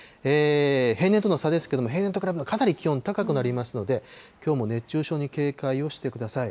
平年との差ですけれども、平年と比べるとかなり気温高くなりますので、きょうも熱中症に警戒をしてください。